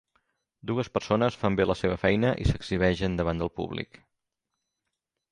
Dues persones fan bé la seva feina i s'exhibeixen davant del públic.